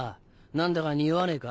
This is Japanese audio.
何だかにおわねえか？